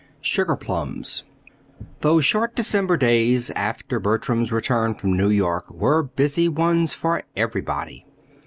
SUGARPLUMS Those short December days after Bertram's return from New York were busy ones for everybody.